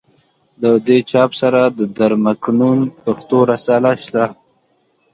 له دې چاپ سره د در مکنون پښتو رساله شته.